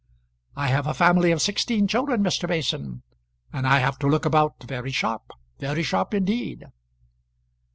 I have a family of sixteen children, Mr. Mason, and I have to look about very sharp, very sharp indeed."